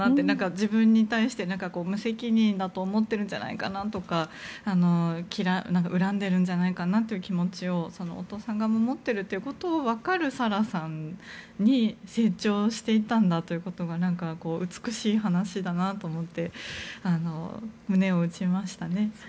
自分に対して無責任だと思っているんじゃないかとか恨んでるんじゃないかなという気持ちを、お父さん側も持っているということが分かるサラさんに成長していったんだということが美しい話だなと思って胸を打ちました。